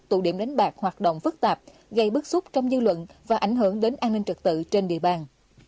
tụ điểm đánh bạc hoạt động phức tạp gây bức xúc trong dư luận và ảnh hưởng đến an ninh trật tự trên địa bàn